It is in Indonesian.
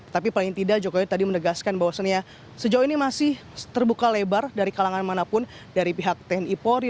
tapi paling tidak jokowi tadi menegaskan bahwasannya sejauh ini masih terbuka lebar dari kalangan manapun dari pihak tni polri